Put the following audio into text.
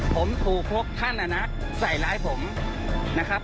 ผมถูกพวกท่านใส่ร้ายผมนะครับ